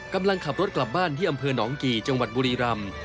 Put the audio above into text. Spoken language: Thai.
กำลังขับรถกลับบ้านที่อำเภอหนองกี่จังหวัดบุรีรำ